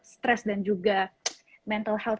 stres dan juga mental health